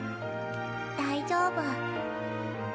大丈夫。